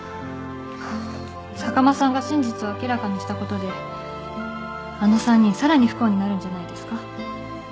坂間さんが真実を明らかにしたことであの３人さらに不幸になるんじゃないですか。